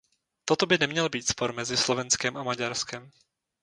Toto by neměl být spor mezi Slovenskem a Maďarskem.